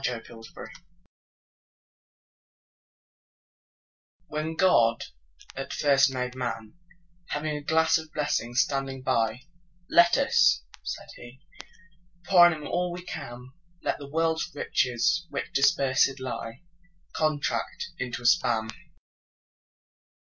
The Pulley WHEN God at first made Man, Having a glass of blessings standing by—Let us (said He) pour on him all we can; Let the world's riches, which dispersèd lie, Contract into a span.